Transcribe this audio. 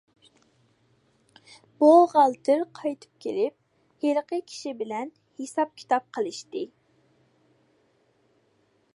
بوغالتىر قايتىپ كېلىپ ھېلىقى كىشى بىلەن ھېساب- كىتاب قىلىشتى.